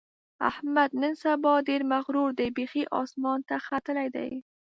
احمد نن سبا ډېر مغرور دی؛ بیخي اسمان ته ختلی دی.